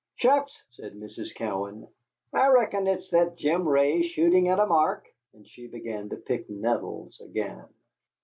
"Shucks!" said Mrs. Cowan, "I reckon it's that Jim Ray shooting at a mark," and she began to pick nettles again.